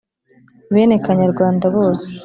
bene kanyarwanda bose